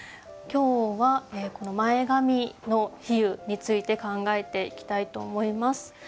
今日はこの前髪の比喩について考えていきたいと思います。